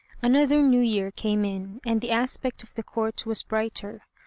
Another New Year came in, and the aspect of the Court was brighter.